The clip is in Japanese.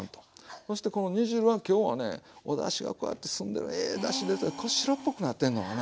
そしてこの煮汁は今日はねおだしがこうやって澄んでるええだし出てこう白っぽくなってんのかな。